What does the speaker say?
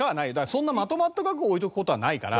そんなまとまった額を置いておく事はないから。